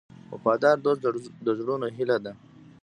وفادار دوست د زړونو هیله ده.